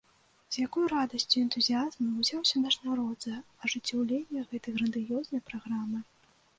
З якой радасцю і энтузіязмам узяўся наш народ за ажыццяўленне гэтай грандыёзнай праграмы!